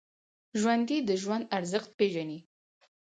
ژوندي د ژوند ارزښت پېژني